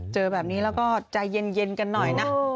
เจอแบบนี้แล้วก็ใจเย็นกันหน่อยนะ